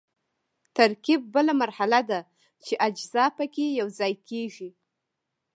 ترکیب بله مرحله ده چې اجزا پکې یوځای کیږي.